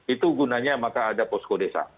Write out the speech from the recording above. itu gunanya maka ada posko desa